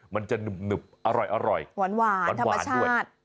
มันจะหนึบอร่อยหวานหวานธรรมชาติ